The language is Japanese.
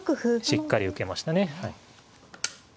しっかり受けましたね。